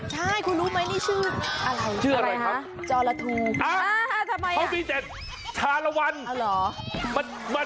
ใช่คุณรู้ไหมนี่ชื่ออะไรครับ